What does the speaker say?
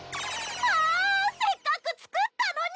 あせっかく作ったのに！